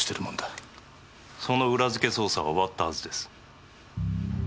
その裏づけ捜査は終わったはずです。